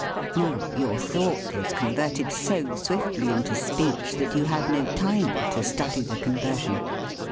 Now your thought was converted so swiftly into speech that you had no time to study the conversion.